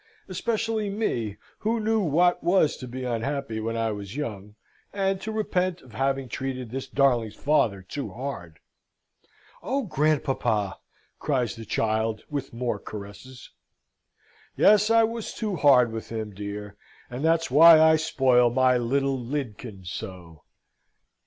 especially me, who knew what was to be unhappy when I was young, and to repent of having treated this darling's father too hard." "Oh, grandpapa!" cries the child, with more caresses. "Yes, I was too hard with him, dear; and that's why I spoil my little Lydkin so!"